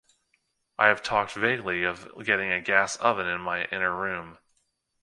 I have talked vaguely of getting a gas oven in my inner room.